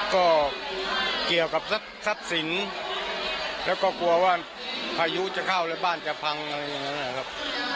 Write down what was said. ก็เกี่ยวกับทรัพย์สินแล้วก็กลัวว่าพายุจะเข้าแล้วบ้านจะพังอะไรอย่างนั้นนะครับ